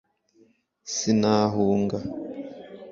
Sinahunga